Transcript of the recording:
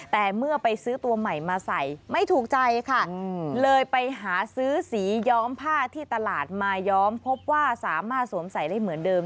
แต่เมื่อไปซื้อตัวใหม่มาใส่ไม่ถูกใจค่ะเลยไปหาซื้อสีย้อมผ้าที่ตลาดมาย้อมพบว่าสามารถสวมใส่ได้เหมือนเดิม